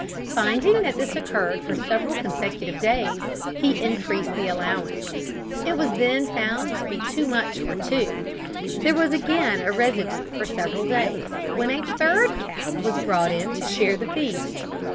Finding that this occurred for several consecutive days, he increased the allowance. It was then found to be too much for two; there was again a residue for several days, when a third cat was brought in to share the feast.